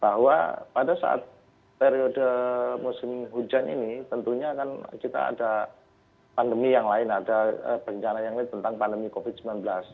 bahwa pada saat periode musim hujan ini tentunya kan kita ada pandemi yang lain ada bencana yang lain tentang pandemi covid sembilan belas